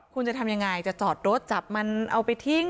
คุณจะทำยังไงจะจอดรถจับมันเอาไปทิ้ง